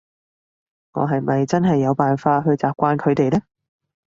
我係咪真係有辦法去習慣佢哋呢？